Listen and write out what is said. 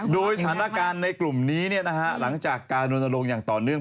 โดยสถานการณ์ในกลุ่มนี้หลังจากการลนลงอย่างต่อเนื่อง